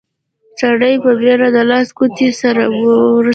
سړي په بيړه د لاس ګوتې سره وروستې.